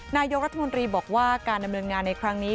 นายกรัฐมนตรีบอกว่าการดำเนินงานในครั้งนี้